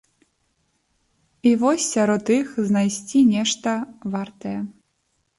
І вось сярод іх знайсці нешта вартае.